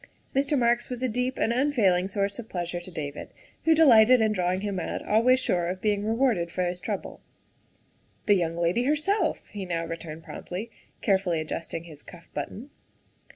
Mr. Marks was a deep and unfailing source of pleas ure to David who delighted in drawing him out, always sure of being rewarded for this trouble. " The young lady herself," he now returned promptly, carefully adjusting his cuff button.